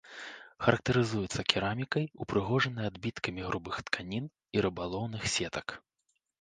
Характарызуюцца керамікай, упрыгожанай адбіткамі грубых тканін і рыбалоўных сетак.